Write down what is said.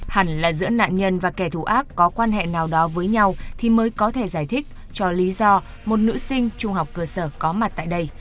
hẳn là giữa nạn nhân và kẻ thù ác có quan hệ nào đó với nhau thì mới có thể giải thích cho lý do một nữ sinh trung học cơ sở có mặt tại đây